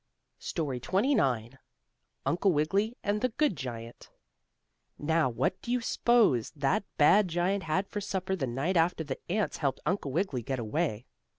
STORY XXIX UNCLE WIGGILY AND THE GOOD GIANT Now what do you s'pose that bad giant had for supper the night after the ants helped Uncle Wiggily get away?